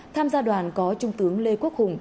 tham gia đoàn có trung tướng lê quốc hùng